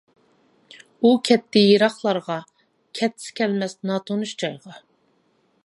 ئۇ كەتتى يىراقلارغا، كەتسە كەلمەس ناتونۇش جايغا.